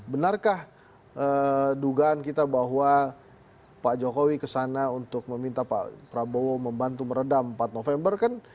benarkah dugaan kita bahwa pak jokowi kesana untuk meminta pak prabowo membantu meredam empat november kan